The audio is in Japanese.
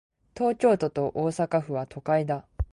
東京都と大阪府は、都会だ。